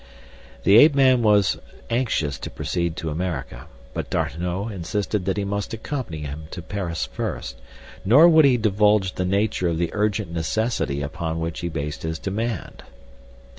The ape man was anxious to proceed to America, but D'Arnot insisted that he must accompany him to Paris first, nor would he divulge the nature of the urgent necessity upon which he based his demand.